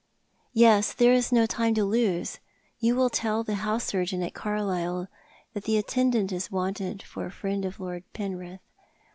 " Yes, there is no time to lose. You will tell the house surgeon at Carlisle that the attendant is wanted for a friend of Lord Penrith.